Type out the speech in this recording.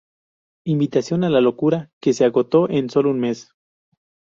Invitación a la locura", que se agotó en solo un mes.